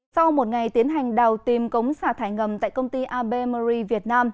sau một ngày tiến hành đào tìm cống xả thải ngầm tại công ty abmri việt nam